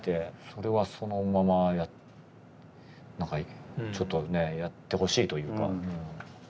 それはそのまま何かちょっとねやってほしいというか。